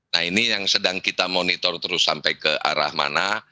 nah ini yang sedang kita monitor terus sampai ke arah mana